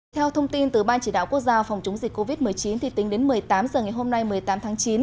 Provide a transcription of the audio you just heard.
theo thông tin từ ban chỉ đạo quốc gia phòng chống dịch covid một mươi chín tính đến một mươi tám h ngày hôm nay một mươi tám tháng chín